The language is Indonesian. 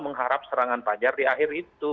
mengharap serangan pajar di akhir itu